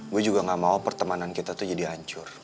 gue juga gak mau pertemanan kita tuh jadi hancur